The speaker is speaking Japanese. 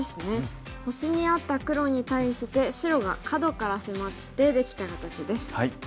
星にあった黒に対して白がカドから迫ってできた形です。